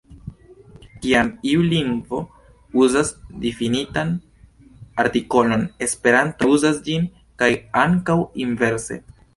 Kiam iu lingvo uzas difinitan artikolon, Esperanto ne uzas ĝin, kaj ankaŭ inverse.